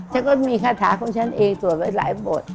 ฉันก็มีคาถาของฉันเองสวดไว้หลายบท